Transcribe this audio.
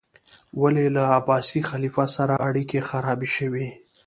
ولې له عباسي خلیفه سره اړیکې خرابې شوې؟